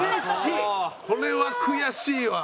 これは悔しいわ。